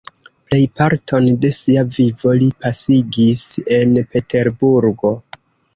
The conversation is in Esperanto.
Plejparton de sia vivo li pasigis en Peterburgo.